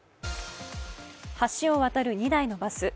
橋を渡る２台のバス。